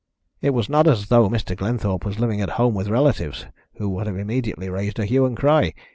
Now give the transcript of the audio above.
"It was not as though Mr. Glenthorpe was living at home with relatives who would have immediately raised a hue and cry.